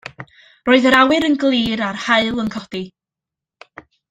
Roedd yr awyr yn glir a'r haul yn codi.